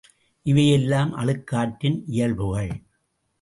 இவையெல்லாம் அழுக்காற்றின் இயல்புகள்.